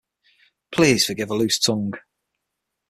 Please forgive a loose tongue.